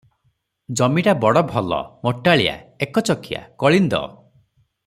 ଜମିଟା ବଡ଼ ଭଲ, ମଟାଳିଆ, ଏକଚକିଆ, କଳିନ୍ଦ ।